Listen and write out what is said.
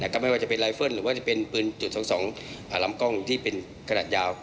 ก็ไม่ว่าจะเป็นไลเฟิลหรือว่าจะเป็นปืนจุด๒๒ลำกล้องที่เป็นขนาดยาว